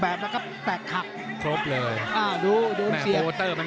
ต้องเจ้าเน้นตลอดนะครับคุณมวยต่าง